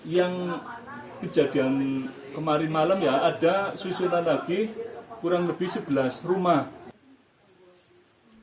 yang kejadian kemarin malam ya ada susulan lagi kurang lebih sebelas rumah